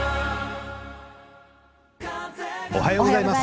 おはようございます。